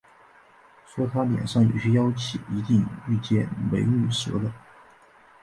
说他脸上有些妖气，一定遇见“美女蛇”了